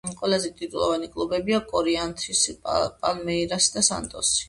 ყველაზე ტიტულოვანი კლუბებია: კორინთიანსი, პალმეირასი და სანტოსი.